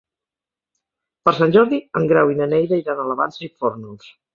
Per Sant Jordi en Grau i na Neida iran a la Vansa i Fórnols.